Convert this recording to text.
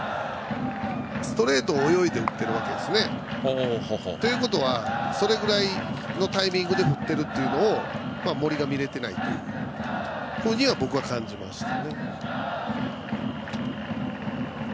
ストレートを泳いで打ってるわけですね。ということはそれぐらいのタイミングで振っているというのを森が見られていないと僕は感じました。